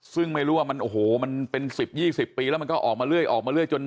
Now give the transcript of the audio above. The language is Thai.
ซึ่งไม่รู้ว่ามันโอ้โหมันเป็น๑๐๒๐ปีแล้วมันก็ออกมาเรื่อย